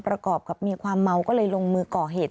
ประกอบกับมีความเมาก็เลยลงมือก่อเหตุ